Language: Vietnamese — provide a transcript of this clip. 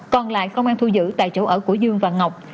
còn lại công an thu giữ tại chỗ ở của dương và ngọc